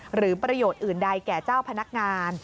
หรือประโยชน์อื่นใดแก่เจ้าพนักงาน